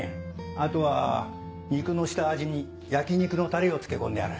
あとは肉の下味に焼き肉のタレを漬け込んである。